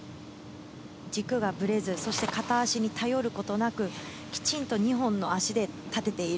軸がブレず、片足に頼ることなく、きちんと２本の足で立てている。